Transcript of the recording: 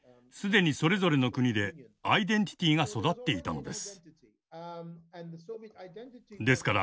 すでにそれぞれの国でアイデンティティが育っていたのです。